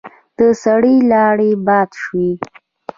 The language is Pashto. د سړي لاړې باد شوې.